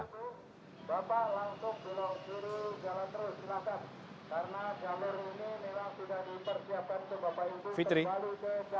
bapak langsung jalan terus silakan